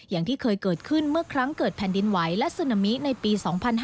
อย่างที่เคยเกิดขึ้นเมื่อครั้งเกิดแผ่นดินไหวและซึนามิในปี๒๕๕๙